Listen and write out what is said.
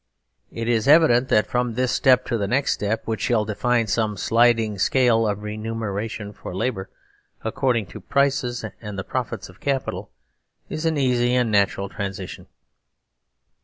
It is evident that from this step to the next, which shall define some sliding scale of remuneration for labour according to prices and the profits of capital, is an easy and natural trans ition.